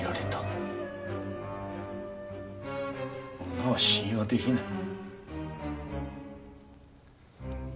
誰も信用できない。